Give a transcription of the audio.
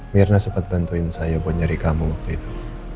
mirna sempat bantuin saya buat nyari kamu waktu itu